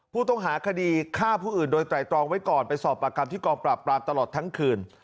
ผู้ต้องหาคดีฆ่าผู้อื่นโดยไตรตรองไว้ก่อนไปสอบปากคำที่กองปราบปรามตลอดทั้งคืน